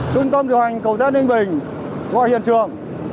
trung tâm điều hành cầu giác ninh bình qua hiện trường